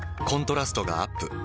コントラストがアップ。